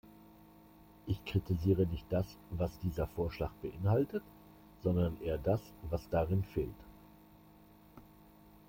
Ich kritisiere nicht das, was dieser Vorschlag beinhaltet, sondern eher das, was darin fehlt.